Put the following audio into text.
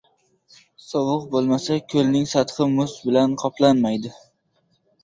• Sovuq bo‘lmasa ko‘lning sathi muz bilan qoplanmaydi.